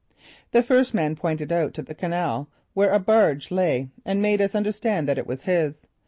The first man pointed out to the canal where a barge lay and made us understand that it was his.